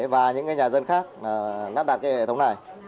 và những nhà dân khác lắp đặt hệ thống này